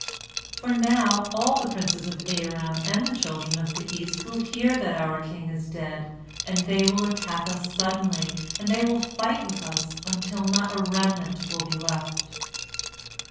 For now all the princes of Aram and of the children of the East will hear that our king is dead, and they will attack us suddenly, and they will fight with us until not a remnant will be left.